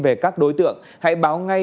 về các đối tượng hãy báo ngay